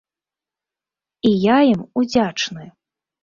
І я ім удзячны.